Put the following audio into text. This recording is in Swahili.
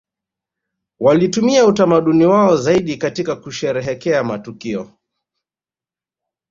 Walitumia utamaduni wao zaidi katika kusherehekea matukio